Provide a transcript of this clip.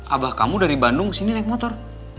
abah kamu dari bandung kesini naik motor